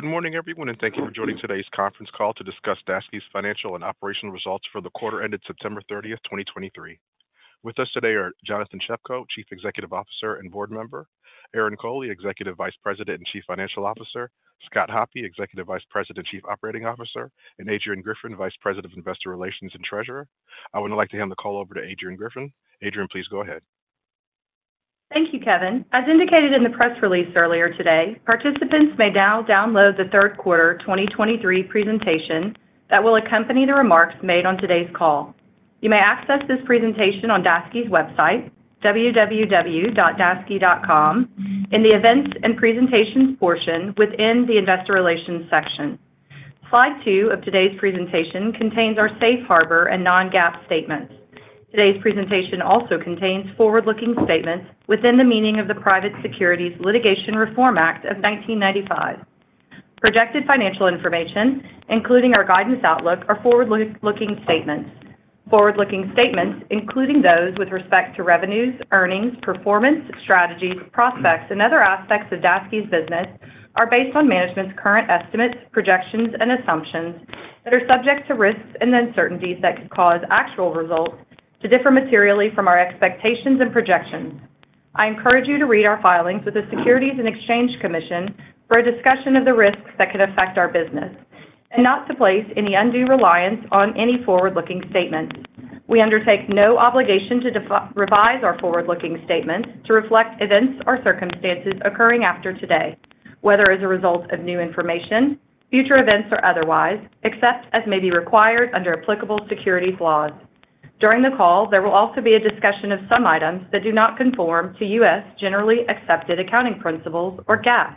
Good morning, everyone, and thank you for joining today's conference call to discuss Daseke's financial and operational results for the quarter ended September 30th, 2023. With us today are Jonathan Shepko, Chief Executive Officer and Board Member, Aaron Coley, Executive Vice President and Chief Financial Officer, Scott Hoppe, Executive Vice President and Chief Operating Officer, and Adrian Griffin, Vice President of Investor Relations and Treasurer. I would now like to hand the call over to Adrian Griffin. Adrian, please go ahead. Thank you, Kevin. As indicated in the press release earlier today, participants may now download the third quarter 2023 presentation that will accompany the remarks made on today's call. You may access this presentation on Daseke's website, www.daseke.com, in the Events and Presentations portion within the Investor Relations section. Slide 2 of today's presentation contains our safe harbor and non-GAAP statements. Today's presentation also contains forward-looking statements within the meaning of the Private Securities Litigation Reform Act of 1995. Projected financial information, including our guidance outlook, are forward-looking statements. Forward-looking statements, including those with respect to revenues, earnings, performance, strategies, prospects, and other aspects of Daseke's business, are based on management's current estimates, projections, and assumptions that are subject to risks and uncertainties that could cause actual results to differ materially from our expectations and projections. I encourage you to read our filings with the Securities and Exchange Commission for a discussion of the risks that could affect our business, and not to place any undue reliance on any forward-looking statements. We undertake no obligation to revise our forward-looking statements to reflect events or circumstances occurring after today, whether as a result of new information, future events, or otherwise, except as may be required under applicable securities laws. During the call, there will also be a discussion of some items that do not conform to U.S. generally accepted accounting principles or GAAP,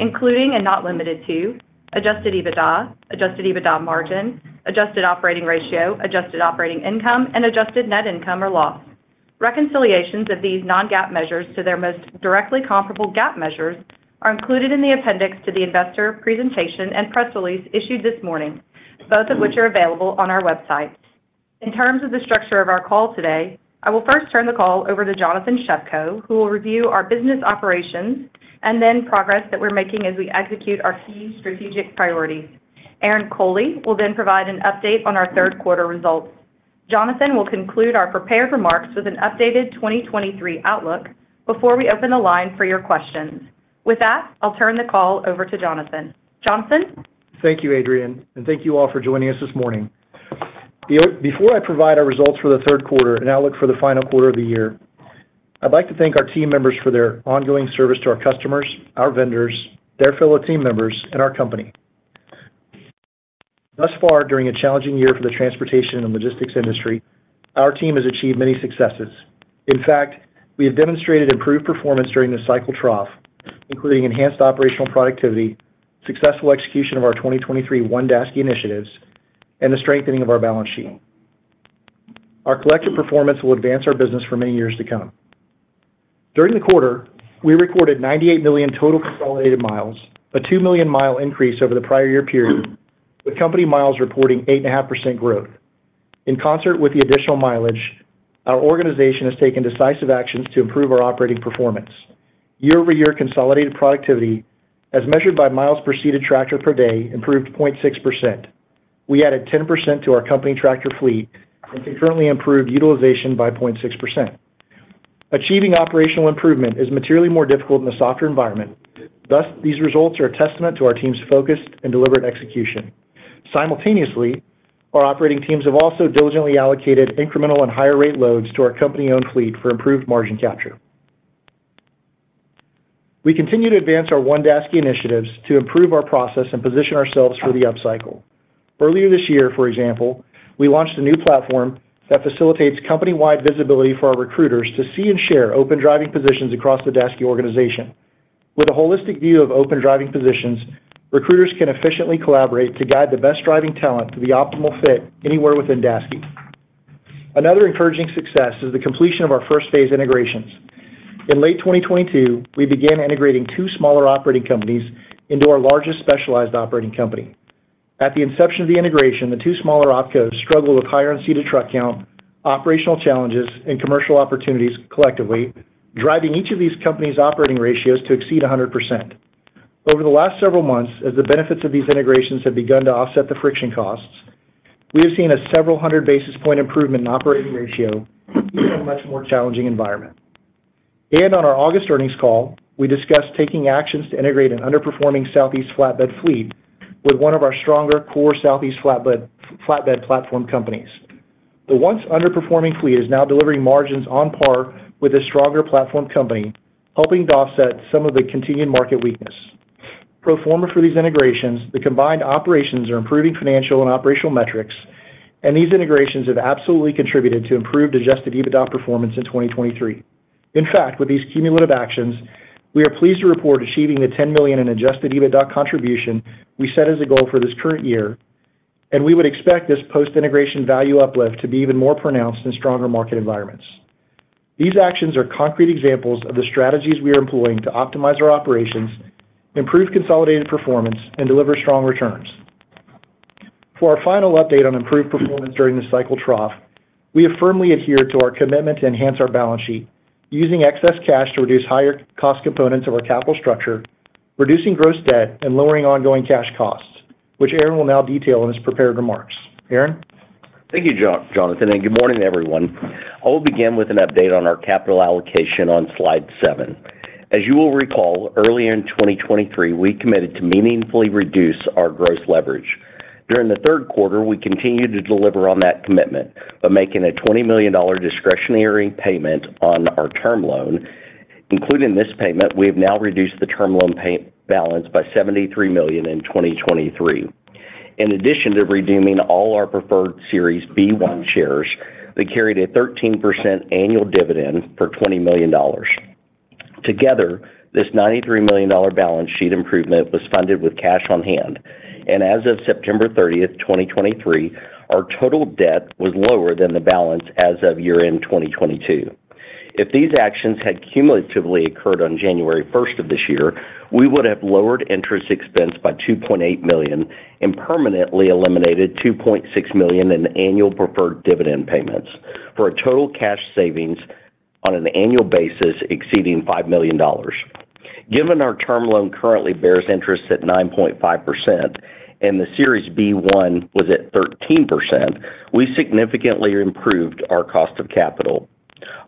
including, and not limited to, adjusted EBITDA, adjusted EBITDA margin, adjusted operating ratio, adjusted operating income, and adjusted net income or loss. Reconciliations of these non-GAAP measures to their most directly comparable GAAP measures are included in the appendix to the investor presentation and press release issued this morning, both of which are available on our website. In terms of the structure of our call today, I will first turn the call over to Jonathan Shepko, who will review our business operations and then progress that we're making as we execute our key strategic priorities. Aaron Coley will then provide an update on our third quarter results. Jonathan will conclude our prepared remarks with an updated 2023 outlook before we open the line for your questions. With that, I'll turn the call over to Jonathan. Jonathan? Thank you, Adrian, and thank you all for joining us this morning. Before I provide our results for the third quarter and outlook for the final quarter of the year, I'd like to thank our team members for their ongoing service to our customers, our vendors, their fellow team members, and our company. Thus far, during a challenging year for the transportation and logistics industry, our team has achieved many successes. In fact, we have demonstrated improved performance during the cycle trough, including enhanced operational productivity, successful execution of our 2023 One Daseke initiatives, and the strengthening of our balance sheet. Our collective performance will advance our business for many years to come. During the quarter, we recorded 98 million total consolidated miles, a two million mile increase over the prior year period, with company miles reporting 8.5% growth. In concert with the additional mileage, our organization has taken decisive actions to improve our operating performance. Year-over-year consolidated productivity, as measured by miles per seated tractor per day, improved 0.6%. We added 10% to our company tractor fleet and concurrently improved utilization by 0.6%. Achieving operational improvement is materially more difficult in a softer environment. Thus, these results are a testament to our team's focused and deliberate execution. Simultaneously, our operating teams have also diligently allocated incremental and higher rate loads to our company-owned fleet for improved margin capture. We continue to advance our One Daseke initiatives to improve our process and position ourselves for the upcycle. Earlier this year, for example, we launched a new platform that facilitates company-wide visibility for our recruiters to see and share open driving positions across the Daseke organization. With a holistic view of open driving positions, recruiters can efficiently collaborate to guide the best driving talent to the optimal fit anywhere within Daseke. Another encouraging success is the completion of our first phase integrations. In late 2022, we began integrating two smaller operating companies into our largest specialized operating company. At the inception of the integration, the two smaller OpCos struggled with higher unseated truck count, operational challenges, and commercial opportunities, collectively driving each of these companies' operating ratios to exceed 100%. Over the last several months, as the benefits of these integrations have begun to offset the friction costs, we have seen a several hundred basis points improvement in operating ratio in a much more challenging environment. On our August earnings call, we discussed taking actions to integrate an underperforming Southeast flatbed fleet with one of our stronger core Southeast flatbed, flatbed platform companies. The once underperforming fleet is now delivering margins on par with a stronger platform company, helping to offset some of the continued market weakness. Pro forma for these integrations, the combined operations are improving financial and operational metrics, and these integrations have absolutely contributed to improved Adjusted EBITDA performance in 2023. In fact, with these cumulative actions, we are pleased to report achieving the $10 million in Adjusted EBITDA contribution we set as a goal for this current year, and we would expect this post-integration value uplift to be even more pronounced in stronger market environments. These actions are concrete examples of the strategies we are employing to optimize our operations, improve consolidated performance, and deliver strong returns... For our final update on improved performance during the cycle trough, we have firmly adhered to our commitment to enhance our balance sheet, using excess cash to reduce higher cost components of our capital structure, reducing gross debt, and lowering ongoing cash costs, which Aaron will now detail in his prepared remarks. Aaron? Thank you, Jonathan, and good morning, everyone. I will begin with an update on our capital allocation on slide seven. As you will recall, earlier in 2023, we committed to meaningfully reduce our gross leverage. During the third quarter, we continued to deliver on that commitment by making a $20 million discretionary payment on our term loan. Including this payment, we have now reduced the term loan pay balance by $73 million in 2023. In addition to redeeming all our preferred Series B shares, they carried a 13% annual dividend for $20 million. Together, this $93 million balance sheet improvement was funded with cash on hand, and as of September 30, 2023, our total debt was lower than the balance as of year-end 2022. If these actions had cumulatively occurred on January first of this year, we would have lowered interest expense by $2.8 million and permanently eliminated $2.6 million in annual preferred dividend payments, for a total cash savings on an annual basis exceeding $5 million. Given our term loan currently bears interest at 9.5%, and the Series B1 was at 13%, we significantly improved our cost of capital.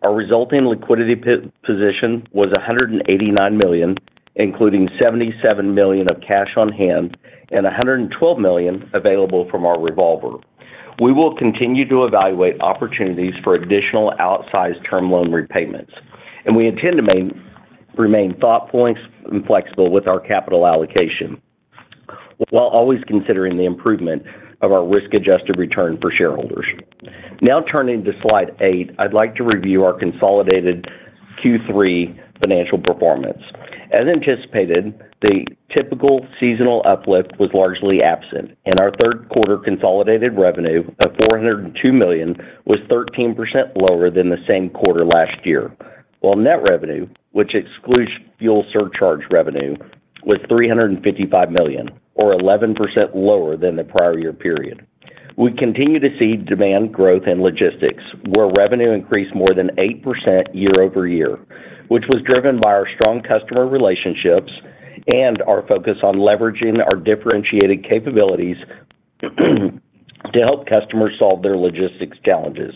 Our resulting liquidity position was $189 million, including $77 million of cash on hand and $112 million available from our revolver. We will continue to evaluate opportunities for additional outsized term loan repayments, and we intend to remain thoughtful and flexible with our capital allocation, while always considering the improvement of our risk-adjusted return for shareholders. Now turning to slide 8, I'd like to review our consolidated Q3 financial performance. As anticipated, the typical seasonal uplift was largely absent, and our third quarter consolidated revenue of $402 million was 13% lower than the same quarter last year, while net revenue, which excludes fuel surcharge revenue, was $355 million, or 11% lower than the prior year period. We continue to see demand growth in logistics, where revenue increased more than 8% year-over-year, which was driven by our strong customer relationships and our focus on leveraging our differentiated capabilities, to help customers solve their logistics challenges.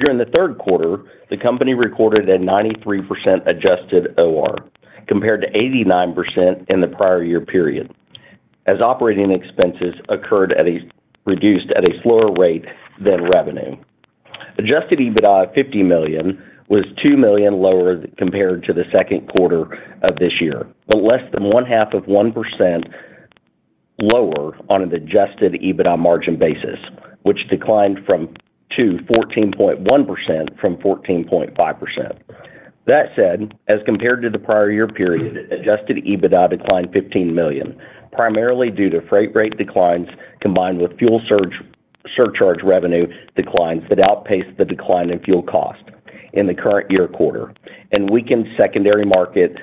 During the third quarter, the company recorded a 93% adjusted OR, compared to 89% in the prior year period, as operating expenses reduced at a slower rate than revenue. Adjusted EBITDA of $50 million was $2 million lower compared to the second quarter of this year, but less than 0.5% lower on an adjusted EBITDA margin basis, which declined from 14.5%-14.1%. That said, as compared to the prior year period, adjusted EBITDA declined $15 million, primarily due to freight rate declines, combined with fuel surcharge revenue declines that outpaced the decline in fuel cost in the current year quarter, and weakened secondary market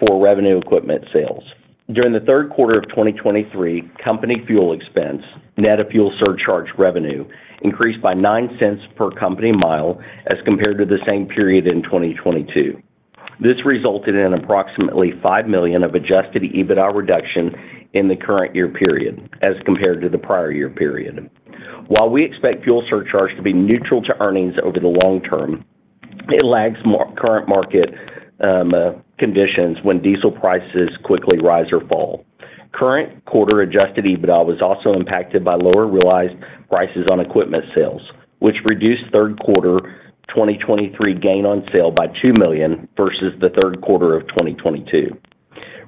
for revenue equipment sales. During the third quarter of 2023, company fuel expense, net of fuel surcharge revenue, increased by $0.09 per company mile as compared to the same period in 2022. This resulted in approximately $5 million of adjusted EBITDA reduction in the current year period as compared to the prior year period. While we expect fuel surcharge to be neutral to earnings over the long term, it lags current market conditions when diesel prices quickly rise or fall. Current quarter Adjusted EBITDA was also impacted by lower realized prices on equipment sales, which reduced third quarter 2023 gain on sale by $2 million versus the third quarter of 2022.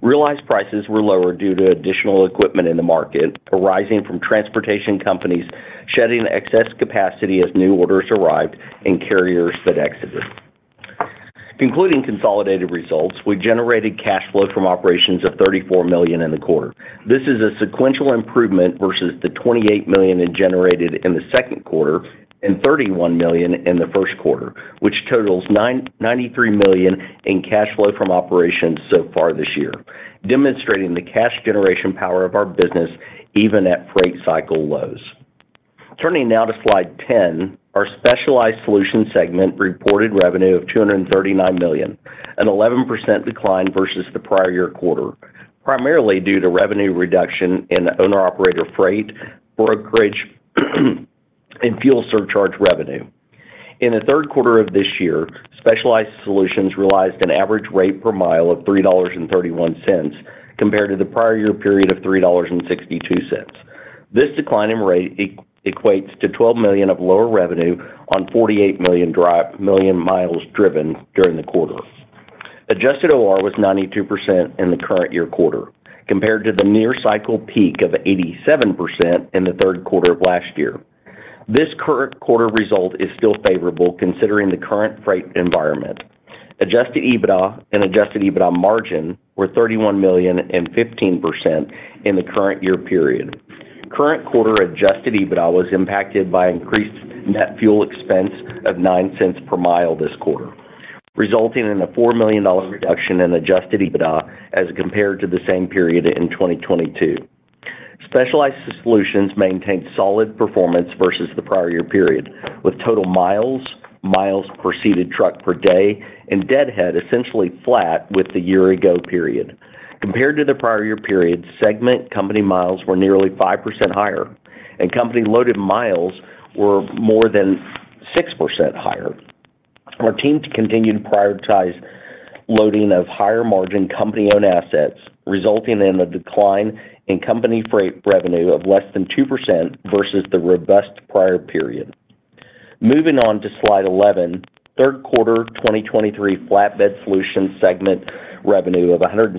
Realized prices were lower due to additional equipment in the market, arising from transportation companies shedding excess capacity as new orders arrived and carriers that exited. Concluding consolidated results, we generated cash flow from operations of $34 million in the quarter. This is a sequential improvement versus the $28 million it generated in the second quarter and $31 million in the first quarter, which totals $93 million in cash flow from operations so far this year, demonstrating the cash generation power of our business even at freight cycle lows. Turning now to Slide 10, our Specialized Solutions segment reported revenue of $239 million, an 11% decline versus the prior year quarter, primarily due to revenue reduction in owner-operator freight, brokerage, and fuel surcharge revenue. In the third quarter of this year, Specialized Solutions realized an average rate per mile of $3.31, compared to the prior year period of $3.62. This decline in rate equates to $12 million of lower revenue on 48 million miles driven during the quarter. Adjusted OR was 92% in the current year quarter, compared to the near cycle peak of 87% in the third quarter of last year. This current quarter result is still favorable, considering the current freight environment. Adjusted EBITDA and adjusted EBITDA margin were $31 million and 15% in the current year period. Current quarter adjusted EBITDA was impacted by increased net fuel expense of $0.09 per mile this quarter, resulting in a $4 million reduction in adjusted EBITDA as compared to the same period in 2022. Specialized Solutions maintained solid performance versus the prior year period, with total miles, miles per seated truck per day, and deadhead essentially flat with the year-ago period. Compared to the prior year period, segment company miles were nearly 5% higher, and company-loaded miles were more than 6% higher. Our team continued to prioritize loading of higher-margin company-owned assets, resulting in a decline in company freight revenue of less than 2% versus the robust prior period. Moving on to Slide 11, third quarter 2023 Flatbed Solutions segment revenue of $164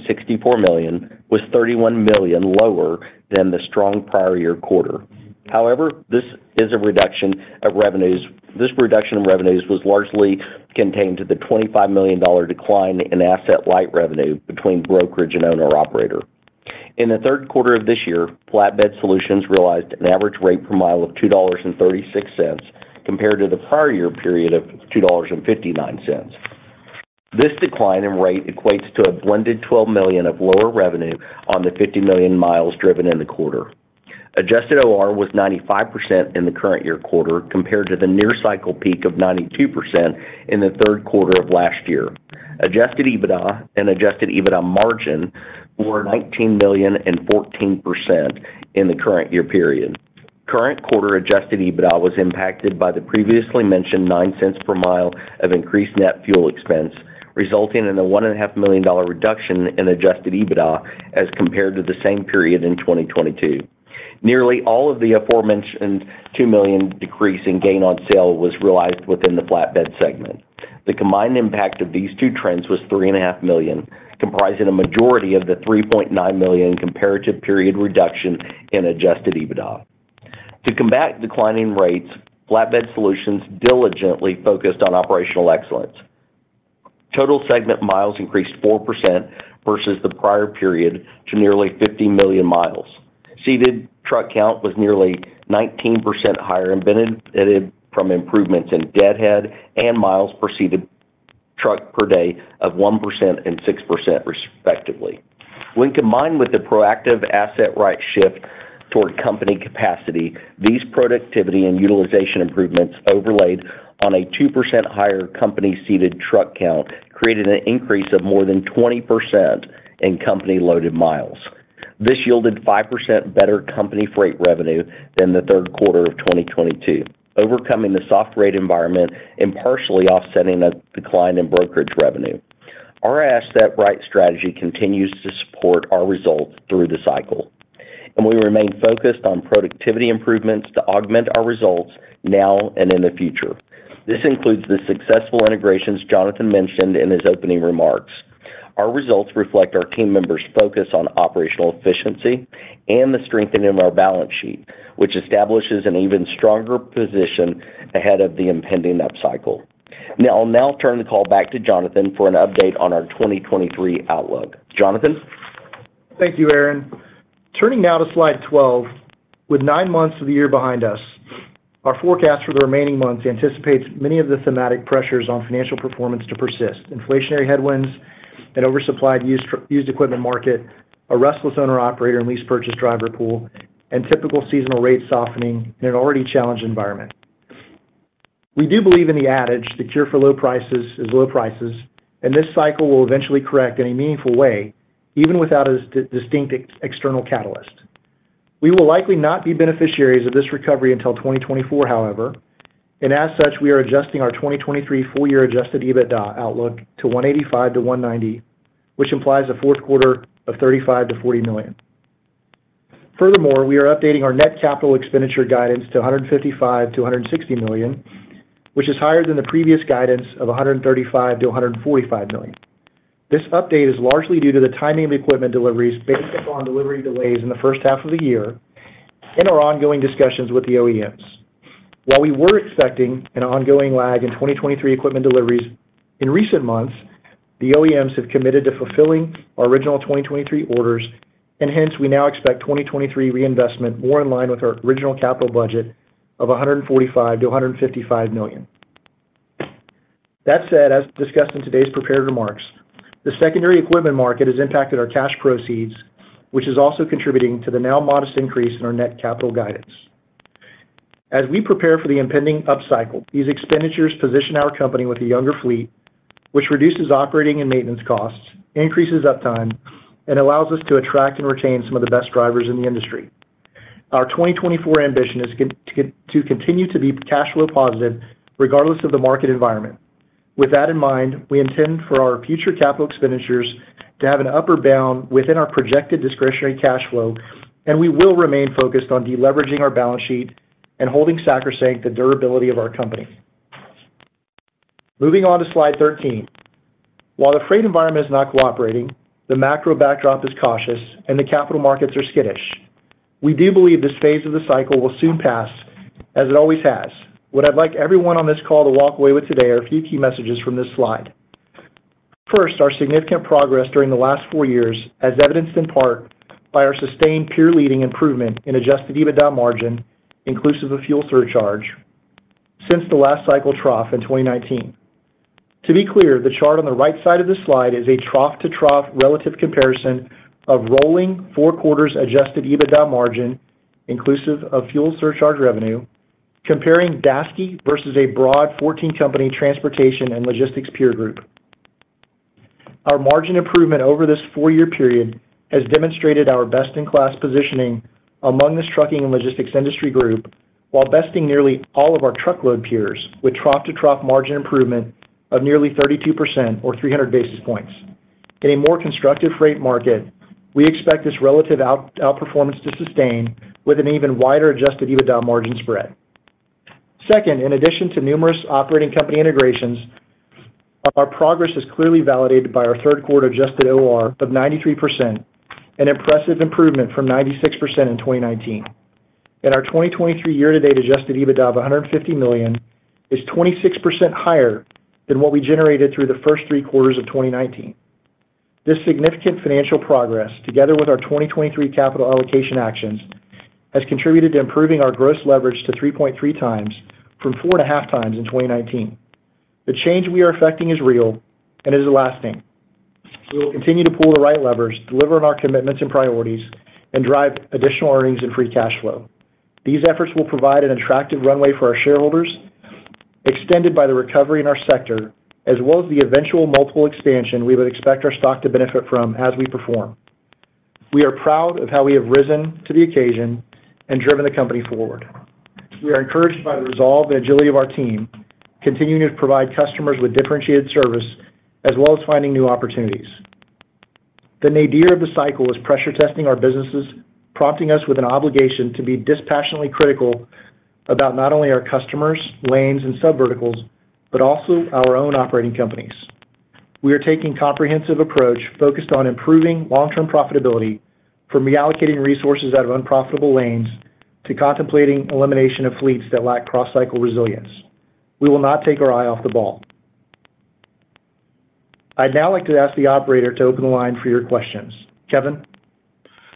million was $31 million lower than the strong prior year quarter. However, this is a reduction of revenues--this reduction in revenues was largely contained to the $25 million decline in asset-light revenue between brokerage and owner-operator. In the third quarter of this year, Flatbed Solutions realized an average rate per mile of $2.36, compared to the prior year period of $2.59. This decline in rate equates to a blended $12 million of lower revenue on the 50 million miles driven in the quarter. Adjusted OR was 95% in the current year quarter, compared to the near cycle peak of 92% in the third quarter of last year. Adjusted EBITDA and adjusted EBITDA margin were $19 million and 14% in the current year period. Current quarter adjusted EBITDA was impacted by the previously mentioned $0.09 per mile of increased net fuel expense, resulting in a $1.5 million reduction in adjusted EBITDA as compared to the same period in 2022. Nearly all of the aforementioned $2 million decrease in gain on sale was realized within the flatbed segment. The combined impact of these two trends was $3.5 million, comprising a majority of the $3.9 million comparative period reduction in adjusted EBITDA. To combat declining rates, Flatbed Solutions diligently focused on operational excellence. Total segment miles increased 4% versus the prior period to nearly 50 million miles. Seated truck count was nearly 19% higher and benefited from improvements in deadhead and miles per seated truck per day of 1% and 6%, respectively. When combined with the proactive Asset Right shift toward company capacity, these productivity and utilization improvements overlaid on a 2% higher company-seated truck count, created an increase of more than 20% in company-loaded miles. This yielded 5% better company freight revenue than the third quarter of 2022, overcoming the soft rate environment and partially offsetting a decline in brokerage revenue. Our Asset Right strategy continues to support our results through the cycle, and we remain focused on productivity improvements to augment our results now and in the future. This includes the successful integrations Jonathan mentioned in his opening remarks. Our results reflect our team members' focus on operational efficiency and the strengthening of our balance sheet, which establishes an even stronger position ahead of the impending upcycle. Now, I'll turn the call back to Jonathan for an update on our 2023 outlook. Jonathan? Thank you, Aaron. Turning now to Slide 12. With nine months of the year behind us, our forecast for the remaining months anticipates many of the thematic pressures on financial performance to persist: inflationary headwinds, an oversupplied used equipment market, a restless owner-operator and lease purchase driver pool, and typical seasonal rate softening in an already challenged environment. We do believe in the adage, the cure for low prices is low prices, and this cycle will eventually correct in a meaningful way, even without a distinct external catalyst. We will likely not be beneficiaries of this recovery until 2024, however, and as such, we are adjusting our 2023 full year Adjusted EBITDA outlook to $185 million-$190 million, which implies a fourth quarter of $35 million-$40 million. Furthermore, we are updating our net capital expenditure guidance to $155 million-$160 million, which is higher than the previous guidance of $135 million-$145 million. This update is largely due to the timing of equipment deliveries based upon delivery delays in the first half of the year and our ongoing discussions with the OEMs. While we were expecting an ongoing lag in 2023 equipment deliveries, in recent months, the OEMs have committed to fulfilling our original 2023 orders, and hence, we now expect 2023 reinvestment more in line with our original capital budget of $145 million-$155 million. That said, as discussed in today's prepared remarks, the secondary equipment market has impacted our cash proceeds, which is also contributing to the now modest increase in our net capital guidance. As we prepare for the impending upcycle, these expenditures position our company with a younger fleet, which reduces operating and maintenance costs, increases uptime, and allows us to attract and retain some of the best drivers in the industry. Our 2024 ambition is to continue to be cash flow positive, regardless of the market environment. With that in mind, we intend for our future capital expenditures to have an upper bound within our projected discretionary cash flow, and we will remain focused on deleveraging our balance sheet and holding sacrosanct the durability of our company. Moving on to Slide 13. While the freight environment is not cooperating, the macro backdrop is cautious, and the capital markets are skittish, we do believe this phase of the cycle will soon pass, as it always has. What I'd like everyone on this call to walk away with today are a few key messages from this slide... first, our significant progress during the last four years, as evidenced in part by our sustained peer-leading improvement in Adjusted EBITDA margin, inclusive of fuel surcharge, since the last cycle trough in 2019. To be clear, the chart on the right side of this slide is a trough-to-trough relative comparison of rolling four quarters Adjusted EBITDA margin, inclusive of fuel surcharge revenue, comparing Daseke versus a broad 14-company transportation and logistics peer group. Our margin improvement over this four-year period has demonstrated our best-in-class positioning among this trucking and logistics industry group, while besting nearly all of our truckload peers, with trough-to-trough margin improvement of nearly 32% or 300 basis points. In a more constructive freight market, we expect this relative outperformance to sustain with an even wider Adjusted EBITDA margin spread. Second, in addition to numerous operating company integrations, our progress is clearly validated by our third quarter Adjusted OR of 93%, an impressive improvement from 96% in 2019. And our 2023 year-to-date Adjusted EBITDA of $150 million is 26% higher than what we generated through the first three quarters of 2019. This significant financial progress, together with our 2023 capital allocation actions, has contributed to improving our gross leverage to 3.3 times from 4.5 times in 2019. The change we are effecting is real and is lasting. We will continue to pull the right levers, deliver on our commitments and priorities, and drive additional earnings and free cash flow. These efforts will provide an attractive runway for our shareholders, extended by the recovery in our sector, as well as the eventual multiple expansion we would expect our stock to benefit from as we perform. We are proud of how we have risen to the occasion and driven the company forward. We are encouraged by the resolve and agility of our team, continuing to provide customers with differentiated service, as well as finding new opportunities. The nadir of the cycle is pressure testing our businesses, prompting us with an obligation to be dispassionately critical about not only our customers, lanes, and subverticals, but also our own operating companies. We are taking comprehensive approach focused on improving long-term profitability from reallocating resources out of unprofitable lanes to contemplating elimination of fleets that lack cross-cycle resilience. We will not take our eye off the ball. I'd now like to ask the operator to open the line for your questions. Kevin?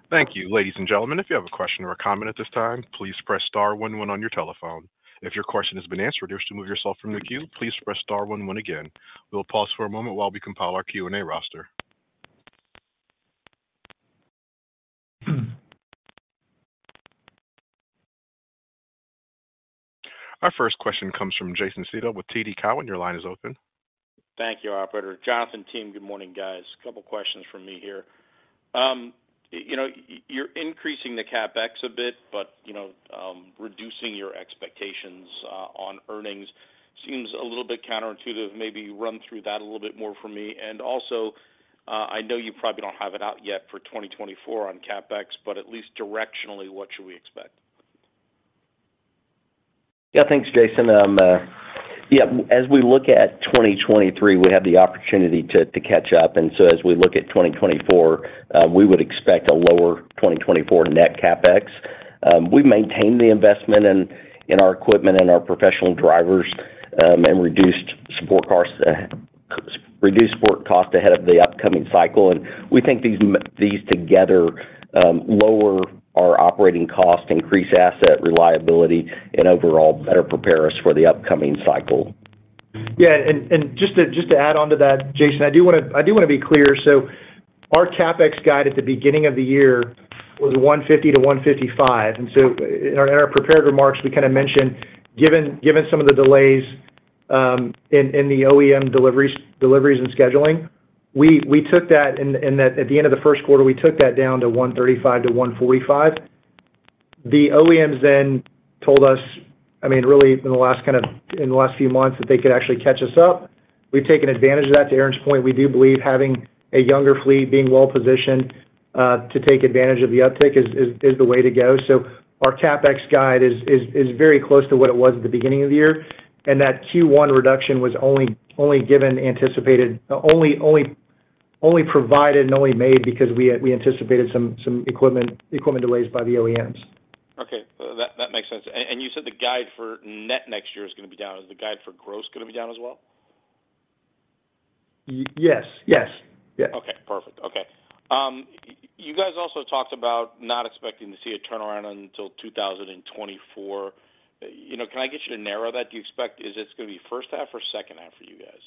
Thank you. Ladies and gentlemen, if you have a question or a comment at this time, please press star one one on your telephone. If your question has been answered or to move yourself from the queue, please press star one one again. We'll pause for a moment while we compile our Q&A roster. Our first question comes from Jason Seidl with TD Cowen. Your line is open. Thank you, operator. Jonathan, team, good morning, guys. A couple questions from me here. You know, you're increasing the CapEx a bit, but, you know, reducing your expectations on earnings seems a little bit counterintuitive. Maybe run through that a little bit more for me. And also, I know you probably don't have it out yet for 2024 on CapEx, but at least directionally, what should we expect? Yeah, thanks, Jason. As we look at 2023, we have the opportunity to catch up, and so as we look at 2024, we would expect a lower 2024 Net CapEx. We've maintained the investment in our equipment and our professional drivers, and reduced support costs, reduced support cost ahead of the upcoming cycle. And we think these together lower our operating costs, increase asset reliability, and overall, better prepare us for the upcoming cycle. Yeah, and just to add on to that, Jason, I do want to be clear. So our CapEx guide at the beginning of the year was $150-$155. And so in our prepared remarks, we kind of mentioned, given some of the delays in the OEM deliveries and scheduling, we took that, and at the end of the first quarter, we took that down to $135-$145. The OEMs then told us, I mean, really, in the last few months, that they could actually catch us up. We've taken advantage of that. To Aaron's point, we do believe having a younger fleet, being well-positioned to take advantage of the uptick is the way to go. So our CapEx guide is very close to what it was at the beginning of the year, and that Q1 reduction was only given anticipated... Only provided and only made because we anticipated some equipment delays by the OEMs. Okay, that makes sense. And you said the guide for net next year is going to be down. Is the guide for gross going to be down as well? Yes. Yes. Yeah. Okay, perfect. Okay. You guys also talked about not expecting to see a turnaround until 2024. You know, can I get you to narrow that? Do you expect, is this going to be first half or second half for you guys?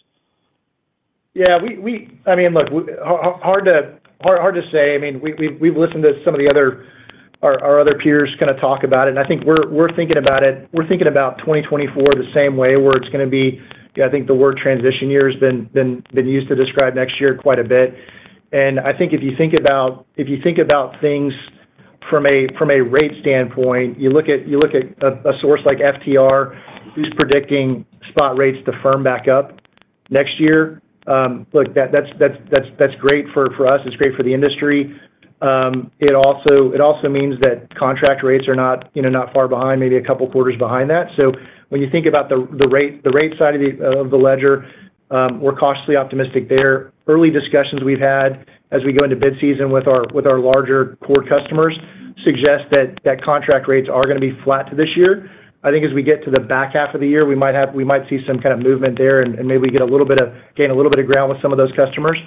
Yeah, I mean, look, hard to say. I mean, we've listened to some of our other peers kind of talk about it, and I think we're thinking about it. We're thinking about 2024 the same way, where it's going to be. I think the word transition year has been used to describe next year quite a bit. And I think if you think about things from a rate standpoint, you look at a source like FTR, who's predicting spot rates to firm back up next year. Look, that's great for us. It's great for the industry. It also means that contract rates are not, you know, not far behind, maybe a couple of quarters behind that. So when you think about the, the rate, the rate side of the, of the ledger, we're cautiously optimistic there. Early discussions we've had as we go into bid season with our, with our larger core customers suggest that that contract rates are going to be flat to this year. I think as we get to the back half of the year, we might have, we might see some kind of movement there and, and maybe we get a little bit of gain, a little bit of ground with some of those customers....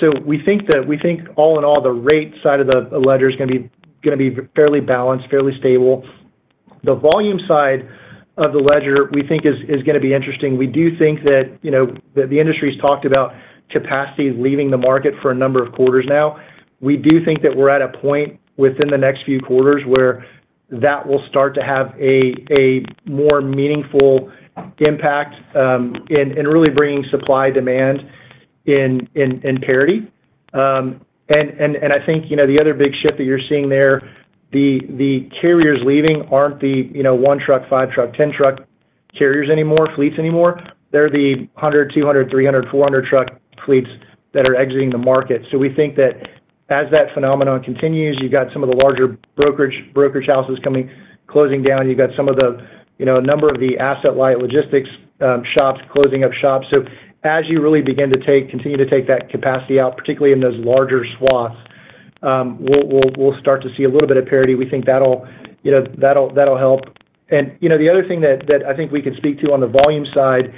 So we think that, we think all in all, the rate side of the, the ledger is going to be, going to be fairly balanced, fairly stable. The volume side of the ledger, we think is, is going to be interesting. We do think that, you know, that the industry's talked about capacity leaving the market for a number of quarters now. We do think that we're at a point within the next few quarters where that will start to have a more meaningful impact in really bringing supply-demand in parity. And I think, you know, the other big shift that you're seeing there, the carriers leaving aren't the, you know, 1 truck, 5 truck, 10 truck carriers anymore, fleets anymore. They're the 100, 200, 300, 400 truck fleets that are exiting the market. So we think that as that phenomenon continues, you've got some of the larger brokerage houses closing down. You've got some of the, you know, a number of the asset-light logistics shops closing up shops. So as you really begin to take, continue to take that capacity out, particularly in those larger swaths, we'll start to see a little bit of parity. We think that'll, you know, that'll help. And, you know, the other thing that I think we can speak to on the volume side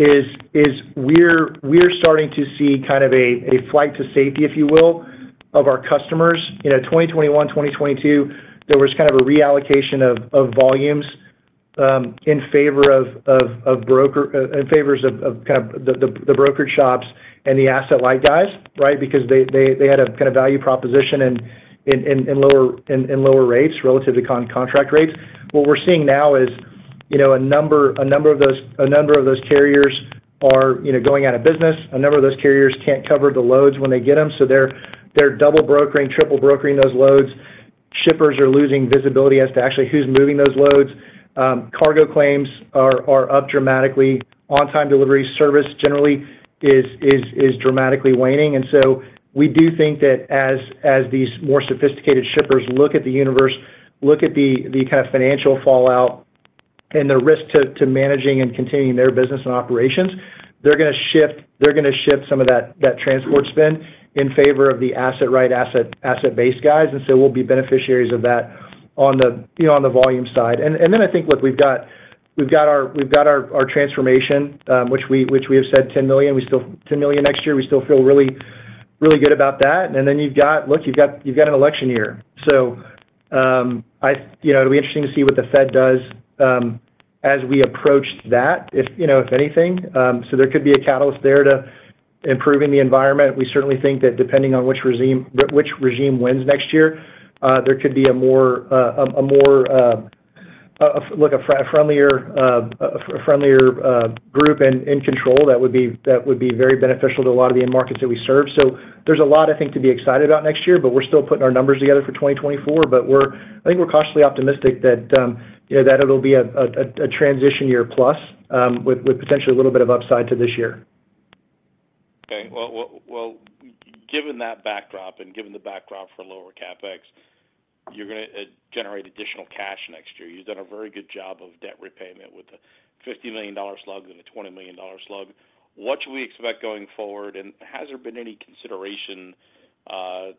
is we're starting to see kind of a flight to safety, if you will, of our customers. You know, 2021, 2022, there was kind of a reallocation of volumes in favor of brokerage in favor of kind of the brokered shops and the asset-light guys, right? Because they had a kind of value proposition and lower rates relative to contract rates. What we're seeing now is, you know, a number of those carriers are, you know, going out of business. A number of those carriers can't cover the loads when they get them, so they're double brokering, triple brokering those loads. Shippers are losing visibility as to actually who's moving those loads. Cargo claims are up dramatically. On-time delivery service generally is dramatically waning. And so we do think that as these more sophisticated shippers look at the universe, look at the kind of financial fallout and the risk to managing and continuing their business and operations, they're going to shift some of that transport spend in favor of the Asset Right, asset-based guys, and so we'll be beneficiaries of that on the, you know, on the volume side. I think, look, we've got our transformation, which we have said $10 million, we still—$10 million next year. We still feel really, really good about that. And then you've got an election year. So, you know, it'll be interesting to see what the Fed does, as we approach that, if, you know, if anything. So there could be a catalyst there to improving the environment. We certainly think that depending on which regime wins next year, there could be a more, like a friendlier, group in control that would be very beneficial to a lot of the end markets that we serve. So there's a lot, I think, to be excited about next year, but we're still putting our numbers together for 2024. But I think we're cautiously optimistic that, you know, that it'll be a transition year plus, with potentially a little bit of upside to this year. Okay. Well, well, well, given that backdrop, and given the backdrop for lower CapEx, you're going to generate additional cash next year. You've done a very good job of debt repayment with a $50 million slug and a $20 million slug. What should we expect going forward, and has there been any consideration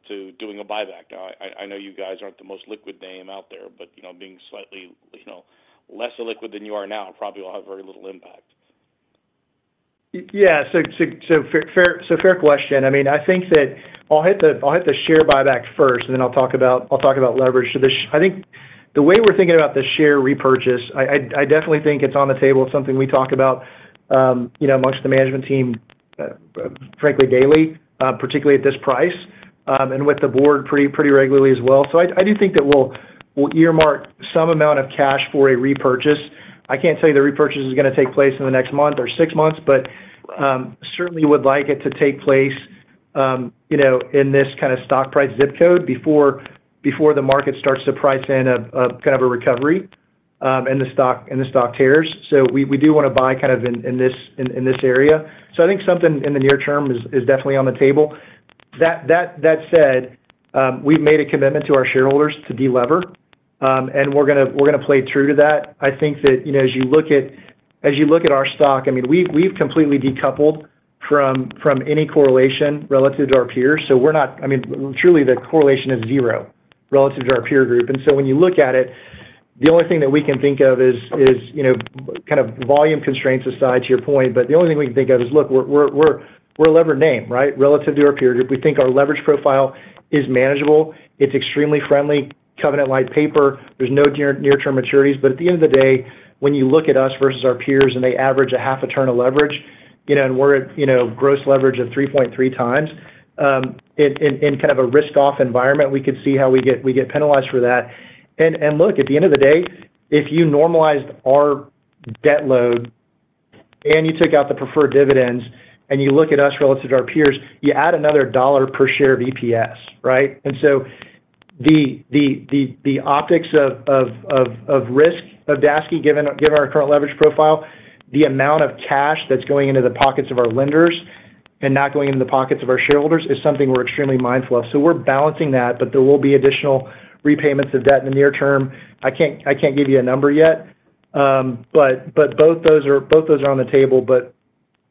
to doing a buyback? Now, I know you guys aren't the most liquid name out there, but, you know, being slightly, you know, less liquid than you are now, probably will have very little impact. Yeah, so fair question. I mean, I think that I'll hit the share buyback first, and then I'll talk about leverage. So the way we're thinking about the share repurchase, I definitely think it's on the table. It's something we talk about, you know, amongst the management team, frankly, daily, particularly at this price, and with the board pretty regularly as well. So I do think that we'll earmark some amount of cash for a repurchase. I can't tell you the repurchase is going to take place in the next month or six months, but certainly would like it to take place, you know, in this kind of stock price ZIP code before the market starts to price in a kind of a recovery, and the stock, and the stock tears. So we do want to buy kind of in this area. So I think something in the near term is definitely on the table. That said, we've made a commitment to our shareholders to delever, and we're going to play true to that. I think that, you know, as you look at our stock, I mean, we've completely decoupled from any correlation relative to our peers, so we're not... I mean, truly, the correlation is zero relative to our peer group. So when you look at it, the only thing that we can think of is, you know, kind of volume constraints aside, to your point, but the only thing we can think of is, look, we're a levered name, right? Relative to our peer group, we think our leverage profile is manageable. It's extremely friendly, covenant-light paper. There's no near-term maturities. But at the end of the day, when you look at us versus our peers, and they average a half a turn of leverage, you know, and we're at, you know, gross leverage of 3.3x, in kind of a risked-off environment, we could see how we get penalized for that. And look, at the end of the day, if you normalized our debt load and you took out the preferred dividends, and you look at us relative to our peers, you add another $1 per share of EPS, right? So the optics of risk of DSKE, given our current leverage profile, the amount of cash that's going into the pockets of our lenders and not going into the pockets of our shareholders, is something we're extremely mindful of. So we're balancing that, but there will be additional repayments of debt in the near term. I can't give you a number yet, but both those are on the table, but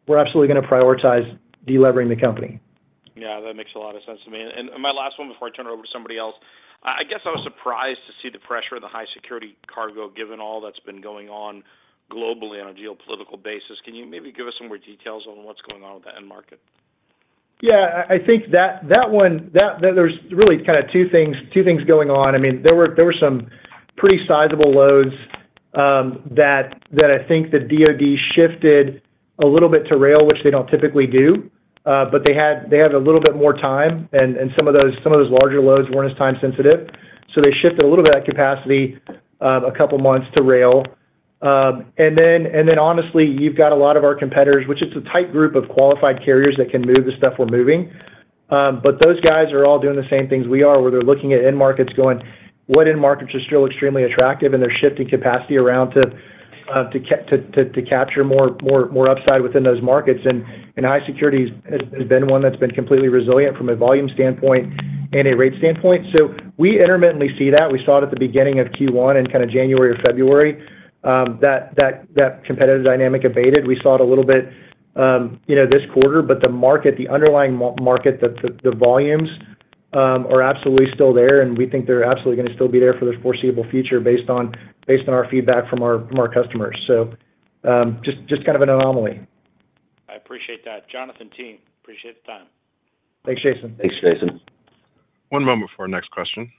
we're absolutely going to prioritize delevering the company. Yeah, that makes a lot of sense to me. And my last one before I turn it over to somebody else, I guess I was surprised to see the pressure of the high security cargo, given all that's been going on globally on a geopolitical basis. Can you maybe give us some more details on what's going on with that end market? ... Yeah, I think that one, there's really kind of two things going on. I mean, there were some pretty sizable loads that I think the DoD shifted a little bit to rail, which they don't typically do. But they had a little bit more time, and some of those larger loads weren't as time-sensitive, so they shifted a little bit of that capacity a couple of months to rail. And then honestly, you've got a lot of our competitors, which is a tight group of qualified carriers that can move the stuff we're moving. But those guys are all doing the same things we are, where they're looking at end markets going, what end markets are still extremely attractive, and they're shifting capacity around to capture more upside within those markets. And high security has been one that's been completely resilient from a volume standpoint and a rate standpoint. So we intermittently see that. We saw it at the beginning of Q1 and kind of January or February, that competitive dynamic abated. We saw it a little bit, you know, this quarter, but the market, the underlying market, the volumes are absolutely still there, and we think they're absolutely going to still be there for the foreseeable future, based on our feedback from our customers. Just kind of an anomaly. I appreciate that. Jonathan, thank you, appreciate the time. Thanks, Jason. Thanks, Jason. One moment before our next question.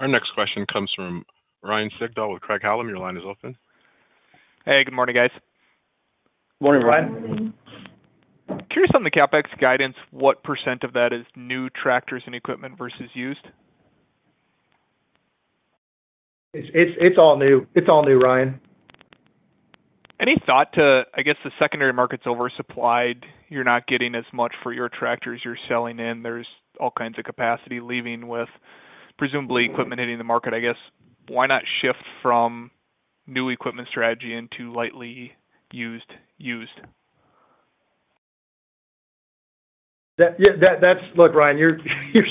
Our next question comes from Ryan Sigdahl with Craig-Hallum. Your line is open. Hey, good morning, guys. Morning, Ryan. Curious on the CapEx guidance, what % of that is new tractors and equipment versus used? It's all new, Ryan. Any thought to, I guess, the secondary market's oversupplied? You're not getting as much for your tractors you're selling in. There's all kinds of capacity leaving with presumably equipment hitting the market. I guess, why not shift from new equipment strategy into lightly used, used? Yeah, that's—look, Ryan, you're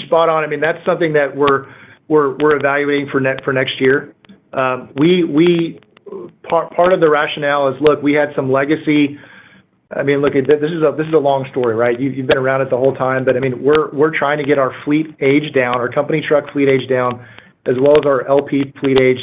spot on. I mean, that's something that we're evaluating for next year. Part of the rationale is, look, we had some legacy... I mean, look, this is a long story, right? You've been around it the whole time. But, I mean, we're trying to get our fleet age down, our company truck fleet age down, as well as our LP fleet age,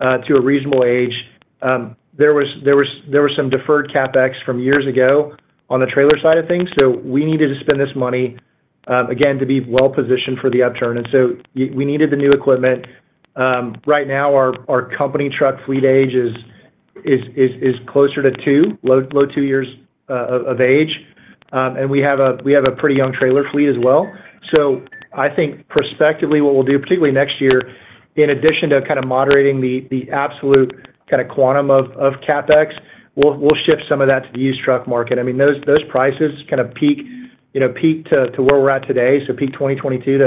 to a reasonable age. There was some deferred CapEx from years ago on the trailer side of things, so we needed to spend this money, again, to be well-positioned for the upturn, and so we needed the new equipment. Right now, our company truck fleet age is closer to low two years of age. We have a pretty young trailer fleet as well. So I think prospectively, what we'll do, particularly next year, in addition to kind of moderating the absolute kind of quantum of CapEx, we'll shift some of that to the used truck market. I mean, those prices kind of peak, you know, peak to where we're at today, so peak 2022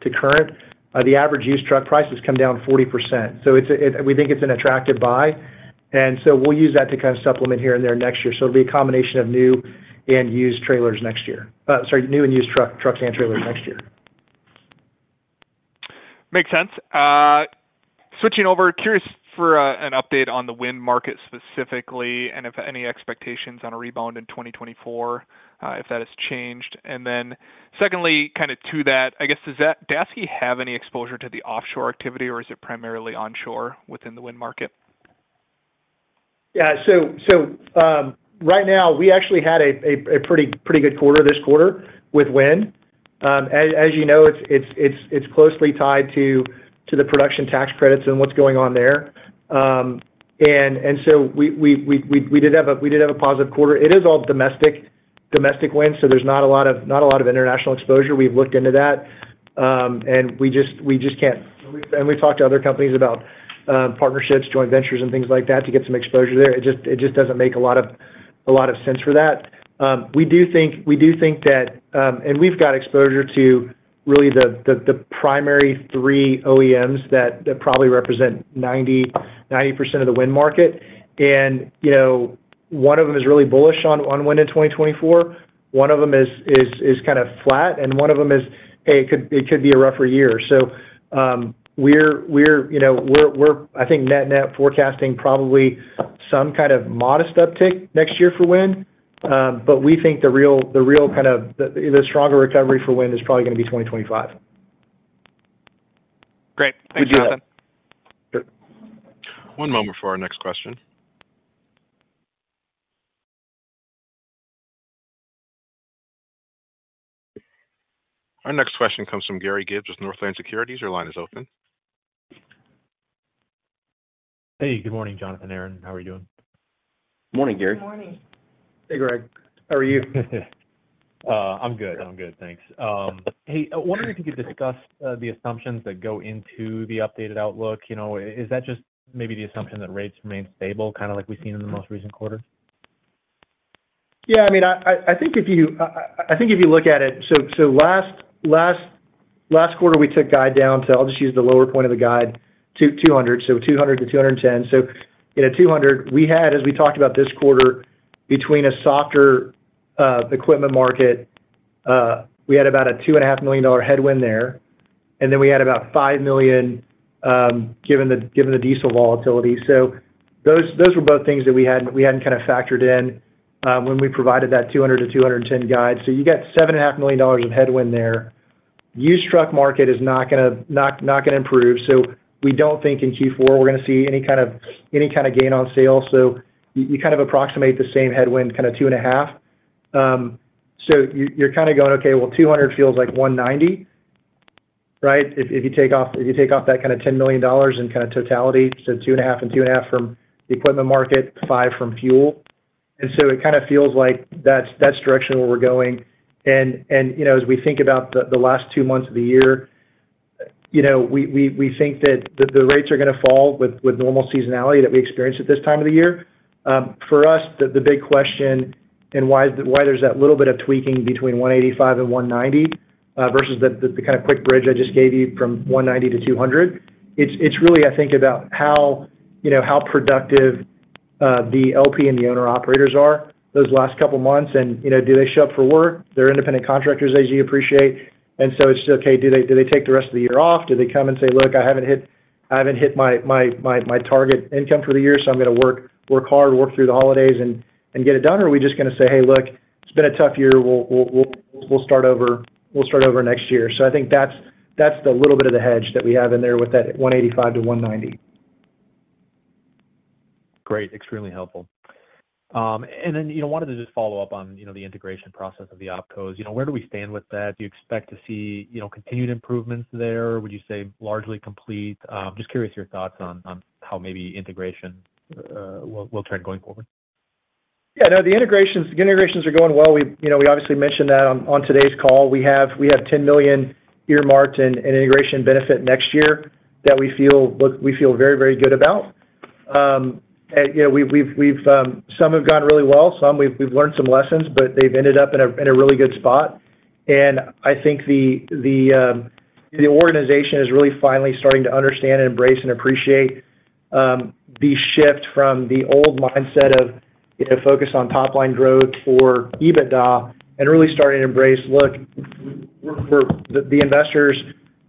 to current, the average used truck price has come down 40%. So it's an attractive buy, we think, and so we'll use that to kind of supplement here and there next year. So it'll be a combination of new and used trailers next year. Sorry, new and used trucks and trailers next year. Makes sense. Switching over, curious for an update on the wind market specifically, and if any expectations on a rebound in 2024, if that has changed. And then secondly, kind of to that, I guess, does he have any exposure to the offshore activity, or is it primarily onshore within the wind market? Yeah, so right now, we actually had a pretty good quarter this quarter with wind. As you know, it's closely tied to the Production Tax Credits and what's going on there. And so we did have a positive quarter. It is all domestic wind, so there's not a lot of international exposure. We've looked into that, and we just can't. And we've talked to other companies about partnerships, joint ventures, and things like that to get some exposure there. It just doesn't make a lot of sense for that. We do think that we've got exposure to really the primary three OEMs that probably represent 90% of the wind market. And, you know, one of them is really bullish on wind in 2024, one of them is kind of flat, and one of them is, "Hey, it could be a rougher year." So, we're, you know, I think, net net forecasting probably some kind of modest uptick next year for wind, but we think the real kind of the stronger recovery for wind is probably going to be 2025. Great. Thanks, Jonathan. Good. One moment for our next question. Our next question comes from Greg Gibas with Northland Securities. Your line is open. Hey, good morning, Jonathan and Aaron. How are you doing? Morning, Gary. Good morning. Hey, Gary. How are you? I'm good. I'm good, thanks. Hey, I wonder if you could discuss the assumptions that go into the updated outlook. You know, is that just maybe the assumption that rates remain stable, kind of like we've seen in the most recent quarter? Yeah, I mean, I think if you look at it. So last quarter, we took guide down to, I'll just use the lower point of the guide, $200 million. So $200 million to $210 million. So in a $200 million, we had, as we talked about this quarter, between a softer equipment market, we had about a $2.5 million headwind there, and then we had about $5 million, given the diesel volatility. So those were both things that we hadn't kind of factored in, when we provided that $200 million to $210 million guide. So you got $7.5 million of headwind there. Used truck market is not going to improve. So we don't think in Q4 we're going to see any kind of gain on sales. So you kind of approximate the same headwind, kind of $2.5 million. So you're kind of going, okay, well, $200 million feels like $190 million, right? If you take off that kind of $10 million in kind of totality, so $2.5 million and $2.5 million from the equipment market, $5 million from fuel. And so it kind of feels like that's the direction where we're going. And you know, as we think about the last two months of the year, you know, we think that the rates are going to fall with normal seasonality that we experience at this time of the year. For us, the big question and why there's that little bit of tweaking between 185 and 190, versus the kind of quick bridge I just gave you from 190 to 200, it's really, I think, about how, you know, how productive the LP and the owner-operators are those last couple of months. And, you know, do they show up for work? They're independent contractors, as you appreciate. And so it's just, okay, do they take the rest of the year off? Do they come and say, "Look, I haven't hit my target income for the year, so I'm going to work hard, work through the holidays and get it done?" Or are we just going to say, "Hey, look, it's been a tough year. We'll start over next year." So I think that's the little bit of the hedge that we have in there with that 185-190. Great, extremely helpful. And then, you know, wanted to just follow up on, you know, the integration process of the OpCos. You know, where do we stand with that? Do you expect to see, you know, continued improvements there? Would you say largely complete? Just curious your thoughts on, on how maybe integration will turn going forward. Yeah, no, the integrations, the integrations are going well. We, you know, we obviously mentioned that on, on today's call. We have $10 million earmarked in integration benefit next year that we feel very, very good about. And, you know, we've some have gone really well, some we've learned some lessons, but they've ended up in a really good spot. And I think the organization is really finally starting to understand and embrace and appreciate the shift from the old mindset of, you know, focus on top line growth or EBITDA and really starting to embrace, look, we're the investors,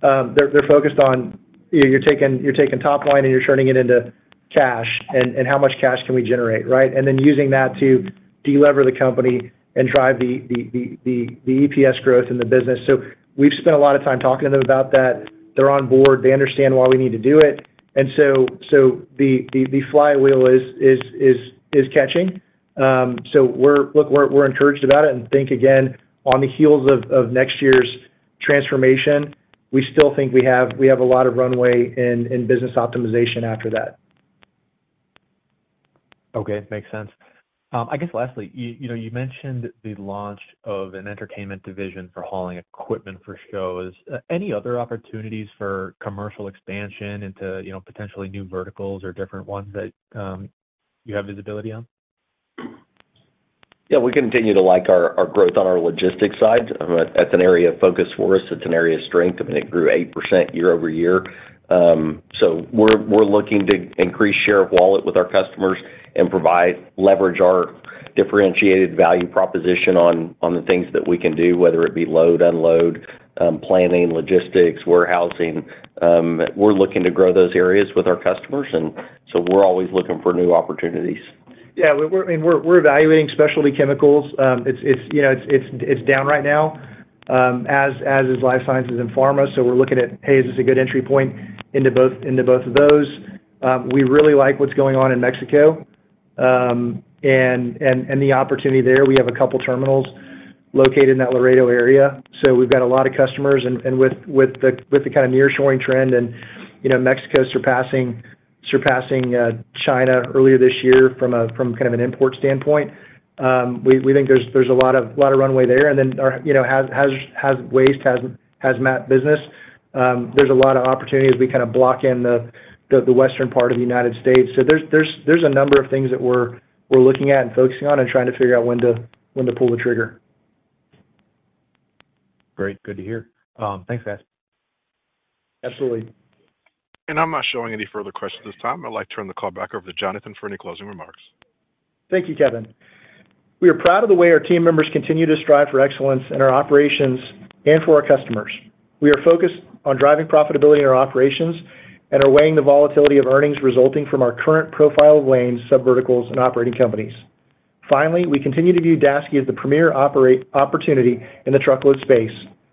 they're focused on, you know, you're taking top line, and you're turning it into cash, and how much cash can we generate, right? And then using that to delever the company and drive the EPS growth in the business. So we've spent a lot of time talking to them about that. They're on board. They understand why we need to do it. And so the flywheel is catching. So we're... Look, we're encouraged about it and think again, on the heels of next year's transformation, we still think we have a lot of runway in business optimization after that. Okay, makes sense. I guess lastly, you, you know, you mentioned the launch of an entertainment division for hauling equipment for shows. Any other opportunities for commercial expansion into, you know, potentially new verticals or different ones that, you have visibility on? Yeah, we continue to like our growth on our logistics side. That's an area of focus for us. It's an area of strength. I mean, it grew 8% year-over-year. So we're looking to increase share of wallet with our customers and provide leverage our differentiated value proposition on the things that we can do, whether it be load, unload, planning, logistics, warehousing. We're looking to grow those areas with our customers, and so we're always looking for new opportunities. Yeah, I mean, we're evaluating specialty chemicals. It's, you know, down right now, as is life sciences and pharma. So we're looking at, hey, is this a good entry point into both of those? We really like what's going on in Mexico and the opportunity there. We have a couple terminals located in that Laredo area, so we've got a lot of customers. And with the kind of nearshoring trend and, you know, Mexico surpassing China earlier this year from kind of an import standpoint, we think there's a lot of runway there. And then our, you know, hazardous waste, hazmat business, there's a lot of opportunity as we kind of block in the Western part of the United States. So there's a number of things that we're looking at and focusing on and trying to figure out when to pull the trigger. Great. Good to hear. Thanks, guys. Absolutely. I'm not showing any further questions at this time. I'd like to turn the call back over to Jonathan for any closing remarks. Thank you, Kevin. We are proud of the way our team members continfue to strive for excellence in our operations and for our customers. We are focused on driving profitability in our operations and are weighing the volatility of earnings resulting from our current profile of lanes, subverticals, and operating companies. Finally, we continue to view Daseke as the premier operating opportunity in the truckload space,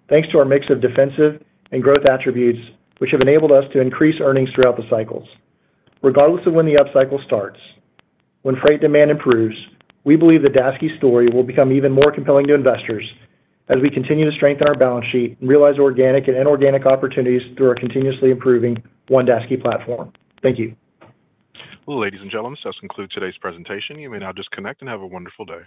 thanks to our mix of defensive and growth attributes, which have enabled us to increase earnings throughout the cycles. Regardless of when the upcycle starts, when freight demand improves, we believe the Daseke story will become even more compelling to investors as we continue to strengthen our balance sheet and realize organic and inorganic opportunities through our continuously improving One Daseke platform. Thank you. Ladies and gentlemen, this concludes today's presentation. You may now disconnect and have a wonderful day.